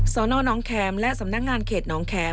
สนนแข็มและสำนักงานเขตนแข็ม